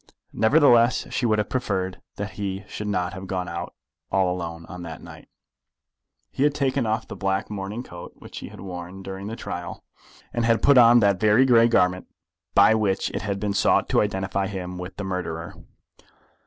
Nevertheless she would have preferred that he should not have gone out all alone on that night. He had taken off the black morning coat which he had worn during the trial, and had put on that very grey garment by which it had been sought to identify him with the murderer.